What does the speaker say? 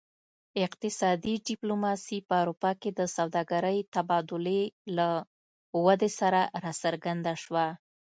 اقتصادي ډیپلوماسي په اروپا کې د سوداګرۍ تبادلې له ودې سره راڅرګنده شوه